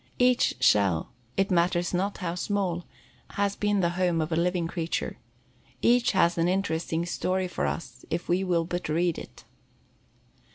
Each shell, it matters not how small, has been the home of a living creature. Each has an interesting story for us if we will but read it.